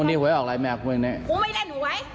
้อนนี้หวยออกอะไรแม่เค้ายังไงลองว่ามันนี้ผมไม่เล่นหวย